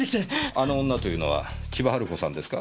あの女というのは千葉ハル子さんですか？